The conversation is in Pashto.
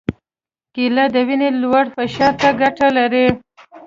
کېله د وینې لوړ فشار ته ګټه لري.